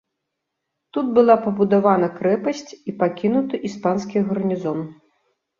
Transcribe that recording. Тут была пабудавана крэпасць і пакінуты іспанскі гарнізон.